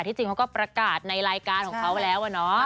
จริงเขาก็ประกาศในรายการของเขาแล้วอะเนาะ